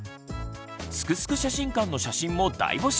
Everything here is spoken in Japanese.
「すくすく写真館」の写真も大募集！